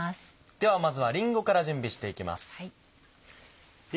ではまずはりんごから準備していきます。